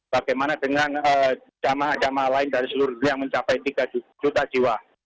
bagaimana dengan jemaah jemaah lain dari seluruh dunia yang mencapai tiga juta jiwa